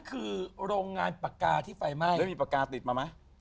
เขาบอกว่านายกลับสหมด